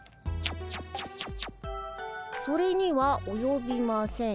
「それにはおよびません。